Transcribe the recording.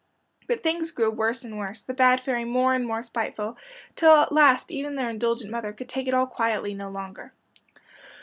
But things grew worse and worse, the bad fairy more and more spiteful, till at last even their indulgent mother could take it all quietly no longer.